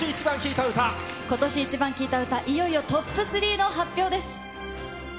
今年イチバン聴いた歌、いよいよトップ３の発表です。